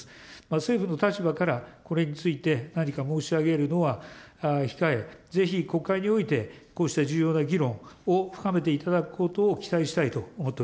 政府の立場からこれについて何か申し上げるのは控え、ぜひ国会においてこうした重要な議論を深めていただくことを期待